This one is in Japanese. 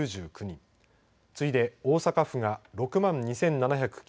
次いで、大阪府が６万２７９０人。